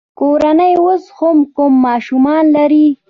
کورنۍ اوس کم ماشومان لري.